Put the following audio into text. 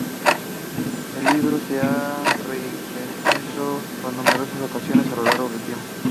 El libro se ha reimpreso en numerosas ocasiones a lo largo del tiempo.